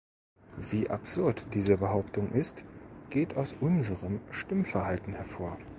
Wie absurd diese Behauptung ist, geht aus unserem Stimmverhalten hervor.